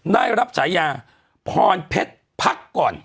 ได้รับฉายาพรเพชรพักก่อน